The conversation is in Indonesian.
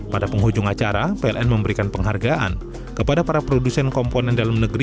pada penghujung acara pln memberikan penghargaan kepada para produsen komponen dalam negeri